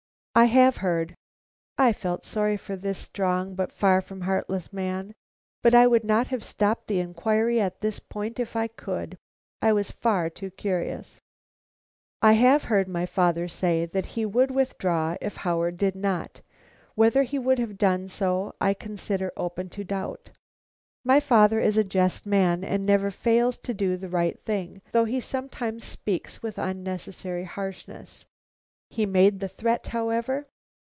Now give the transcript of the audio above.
"I have heard" I felt sorry for this strong but far from heartless man, but I would not have stopped the inquiry at this point if I could; I was far too curious "I have heard my father say that he would withdraw if Howard did not. Whether he would have done so, I consider open to doubt. My father is a just man and never fails to do the right thing, though he sometimes speaks with unnecessary harshness." "He made the threat, however?"